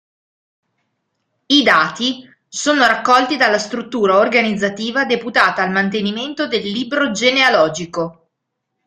I dati sono raccolti dalla struttura organizzativa deputata al mantenimento del Libro Genealogico.